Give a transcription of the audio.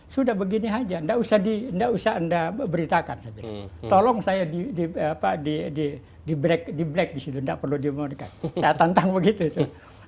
sudah begini saja nggak usah anda beritakan tolong saya di blank di situ nggak perlu di bunuh saya tantang begitu itu